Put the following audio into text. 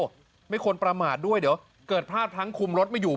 ไม่ควรประมาทด้วยเดี๋ยวเกิดพลาดพลั้งคุมรถไม่อยู่